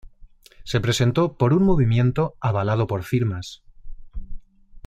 Se presentó por un movimiento avalado por firmas.